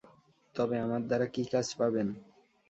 তবে আমার দ্বারা কী কাজ পাবেন?